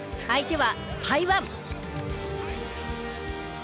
相手は台湾。